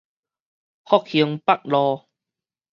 復興北路